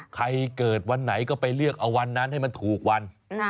ใครเกิดวันไหนก็ไปเลือกเอาวันนั้นให้มันถูกวัน